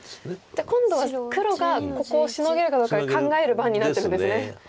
じゃあ今度は黒がここをシノげるかどうかで考える番になってるんですね。